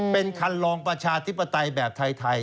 เป็นคันลองประชาธิปไตยแบบไทย